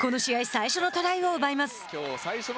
最初のトライを奪います。